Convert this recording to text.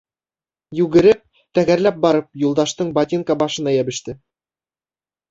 Йүгереп, тәгәрләп барып, Юлдаштың ботинка башына йәбеште.